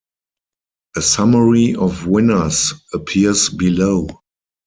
A summary of winners appears below.